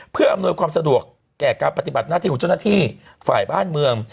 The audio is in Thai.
เพื่ออำนวยความสะดวกแก่การปฏิบัติหน้าที่ของเจ้าหน้าที่ฝ่ายบ้านเมือง